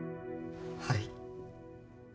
はい。